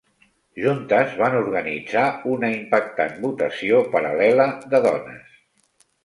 Juntes van organitzar una impactant votació paral·lela de dones.